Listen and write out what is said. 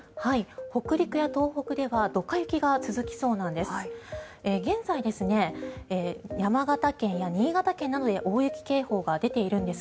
北陸や東北ではドカ雪が続きそうなんです。